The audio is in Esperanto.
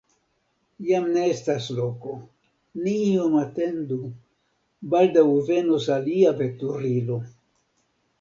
Jam ne estas loko, ni iom atendu, baldaŭ venos alia veturilo.